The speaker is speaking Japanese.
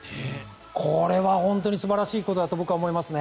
これは本当に素晴らしいことだと僕は思いますね。